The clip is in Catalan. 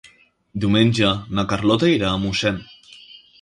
Diumenge na Carlota irà a Moixent.